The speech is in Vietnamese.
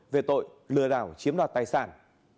về tội lừa đảo chiếm đoạt tài sản